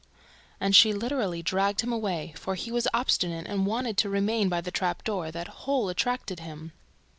And she literally dragged him away, for he was obstinate and wanted to remain by the trap door; that hole attracted him.